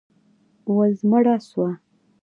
وزمړه سوه.